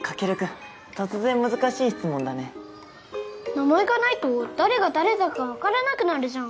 名前がないと誰が誰だかわからなくなるじゃん。